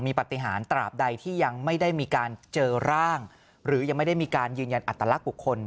ปฏิหารตราบใดที่ยังไม่ได้มีการเจอร่างหรือยังไม่ได้มีการยืนยันอัตลักษณ์บุคคล